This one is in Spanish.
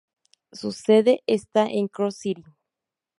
Su sede está en Cross City.